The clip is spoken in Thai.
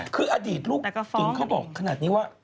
คืออดีตลูกถึงเขาบอกขนาดนี้ว่า